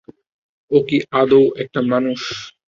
ও কি আদৌ একটা মানুষ?